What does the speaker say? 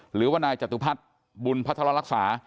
หรือว่านายจตุพัฒน์บุญพัทรรักษา